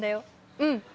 うん！